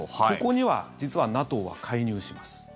ここには、実はＮＡＴＯは介入します。